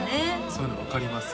そういうの分かります